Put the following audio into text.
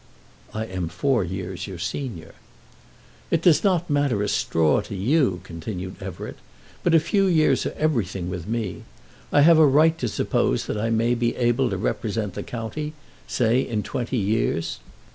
"I am four years your senior." "It does not matter a straw to you," continued Everett. "But a few years are everything with me. I have a right to suppose that I may be able to represent the county, say in twenty years.